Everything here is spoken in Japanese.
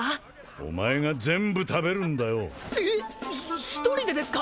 お前が全部食べるんだよえっ一人でですか？